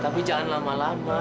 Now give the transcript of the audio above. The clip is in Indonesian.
tapi jangan lama lama